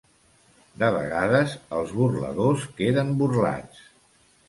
De vegades els burladors queden burlats.